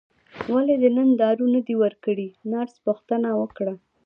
ولې دې نن دارو نه دي ورکړي نرس پوښتنه وکړه.